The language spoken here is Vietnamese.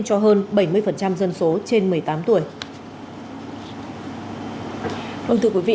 cho hơn bảy mươi dân số trên một mươi tám tuổi